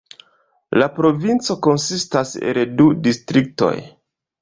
La provinco konsistas el du distriktoj.